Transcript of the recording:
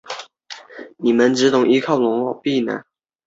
卢师谛也参与谋划此事。